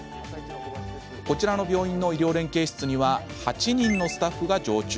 こちらの病院の医療連携室には８人のスタッフが常駐。